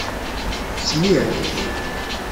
Smir.